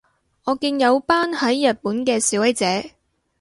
我見有班喺日本嘅示威者